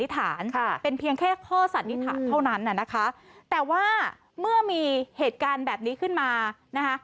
แต่ว่าเมื่อมีเหตุการณ์แบบนี้ขึ้นมานะฮะ